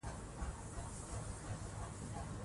رضا پهلوي د خپل تاریخي میراث پیژندونکی دی.